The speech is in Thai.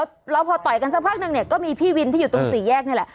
แล้วพอต่อยกันสักพักนึงเนี่ยก็มีพี่วินที่อยู่ตรงสี่แยกนี่แหละ